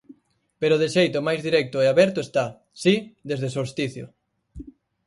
Pero de xeito máis directo e aberto está, si, desde 'Solsticio'.